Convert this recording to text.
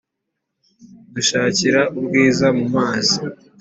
Dushakira ubwiza mu mazi